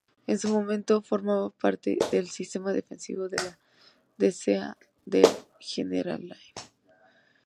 En su momento, formaba parte del sistema defensivo de la Dehesa del Generalife.